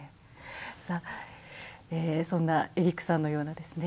さあそんなエリックさんのようなですね